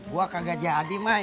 gue kagak jadi ma